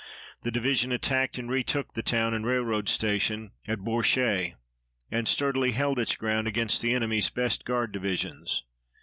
The division attacked and retook the town and railroad station at Bouresches and sturdily held its ground against the enemy's best guard divisions.